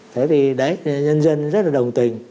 thế thì đấy nhân dân rất là đồng tình